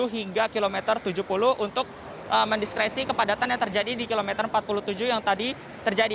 hingga kilometer tujuh puluh untuk mendiskresi kepadatan yang terjadi di kilometer empat puluh tujuh yang tadi terjadi